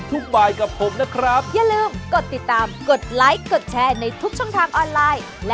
ต้องกำหนดข้าวชามนะคะ